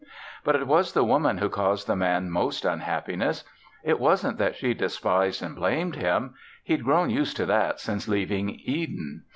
But it was the Woman who caused the Man most unhappiness. It wasn't that she despised and blamed him. He'd grown used to that since leaving Eden.